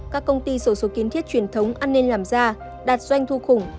các công ty sổ số kiến thiết truyền thống an ninh làm ra đạt doanh thu khủng